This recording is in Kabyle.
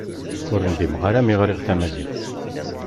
Ur ndimeɣ ara mi ɣriɣ tamaziɣt.